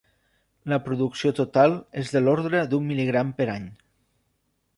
La producció total és de l'ordre d'un mil·ligram per any.